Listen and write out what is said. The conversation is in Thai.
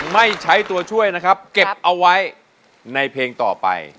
ไม่ใช้ตัวช่วยนะครับเก็บเอาไว้ในเพลงต่อไป